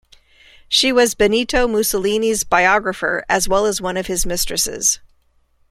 She was Benito Mussolini's biographer as well as one of his mistresses.